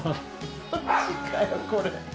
マジかよこれ。